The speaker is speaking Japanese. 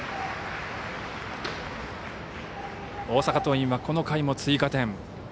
大阪桐蔭は、この回も追加点。